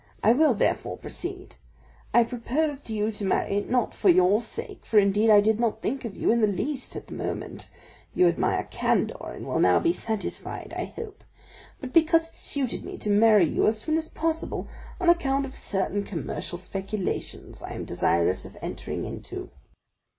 I will therefore proceed. I have proposed to you to marry, not for your sake, for indeed I did not think of you in the least at the moment (you admire candor, and will now be satisfied, I hope); but because it suited me to marry you as soon as possible, on account of certain commercial speculations I am desirous of entering into."